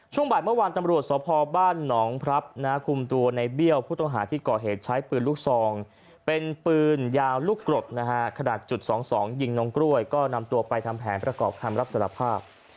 ช่วงบ่ายเมื่อวานตำรวจสพบ้านหนองพรับคุมตัวในเบี้ยวผู้ต้องหาที่ก่อเหตุใช้ปืนลูกซองเป็นปืนยาวลูกกรดนะฮะขนาดจุด๒๒ยิงน้องกล้วยก็นำตัวไปทำแผนประกอบคำรับสารภาพ